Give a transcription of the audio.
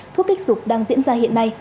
thuốc kích dục đang diễn ra hiện nay